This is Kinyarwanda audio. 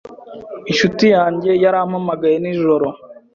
Inshuti yanjye yarampamagaye nijoro.